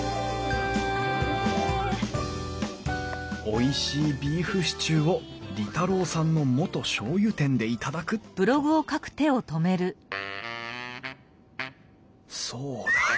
「おいしいビーフシチューを利太郎さんの元しょうゆ店で頂く」とそうだ。